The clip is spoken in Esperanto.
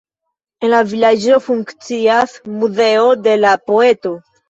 En la vilaĝo funkcias muzeo de la poeto.